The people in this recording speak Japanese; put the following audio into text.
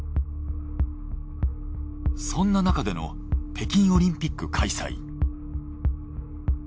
そんななかでの北京オリンピック開催。